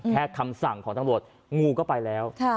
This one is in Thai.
คำสั่งของตำรวจงูก็ไปแล้ว